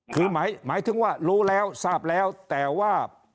คือหมายถึงว่ารู้แล้วทราบแล้วแต่ว่า